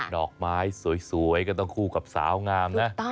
ดอกไม้สวยก็ต้องคู่กับสาวงามนะ